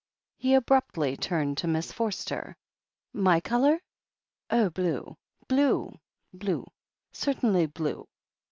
He abruptly turned to Miss Forster. "My colour? Oh, blue — ^blue — ^blue. Certainly, blue."